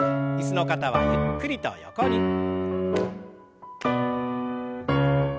椅子の方はゆっくりと横に。